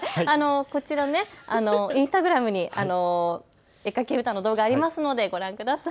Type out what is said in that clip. こちら、インスタグラムに絵描き歌の動画、ありますのでご覧ください。